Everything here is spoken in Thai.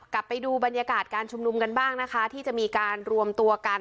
ไปดูบรรยากาศการชุมนุมกันบ้างนะคะที่จะมีการรวมตัวกัน